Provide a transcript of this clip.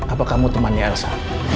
apa kamu temannya elsa